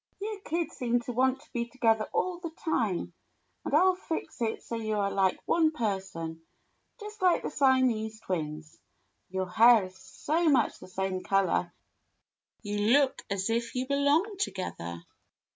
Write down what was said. "You kids seem to want to be together all the time, arid I '11 fix it so you are like one person, just like the Siamese Twins» Your hair is so much the same color you look as il you belonged together."